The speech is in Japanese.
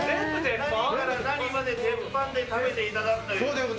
何から何まで鉄板で食べていただくという。